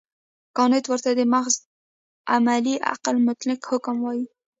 کانټ ورته د محض عملي عقل مطلق حکم وايي.